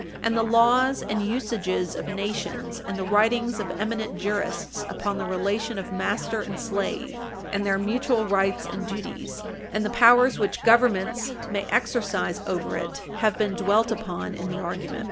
And the laws and usages of nations, and the writings of eminent jurists upon the relation of master and slave and their mutual rights and duties, and the powers which Governments may exercise over it have been dwelt upon in the argument.